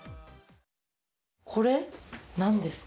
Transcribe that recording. これなんですか？